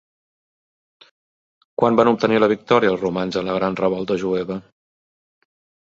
Quan van obtenir la victòria els romans en la Gran Revolta jueva?